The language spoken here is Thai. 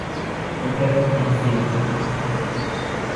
เอ็ม เอฟ อี ซี